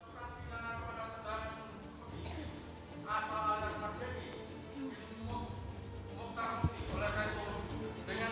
perhati hati pada petang